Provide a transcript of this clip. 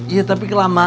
iya tapi kelama